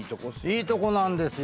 いいとこなんですよ。